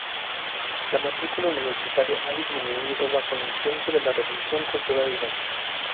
La matrícula universitaria ha disminuido bajo la influencia de la Revolución Cultural Iraní.